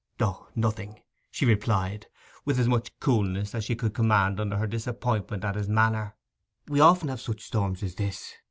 'O, nothing,' she replied, with as much coolness as she could command under her disappointment at his manner. 'We often have such storms as this.